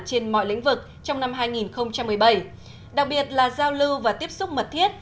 trên mọi lĩnh vực trong năm hai nghìn một mươi bảy đặc biệt là giao lưu và tiếp xúc mật thiết